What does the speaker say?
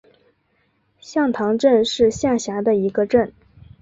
向塘镇是下辖的一个镇。